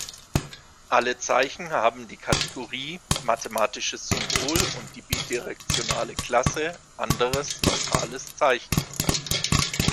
Alle Zeichen haben die Kategorie „Mathematisches Symbol“ und die bidirektionale Klasse „Anderes neutrales Zeichen“.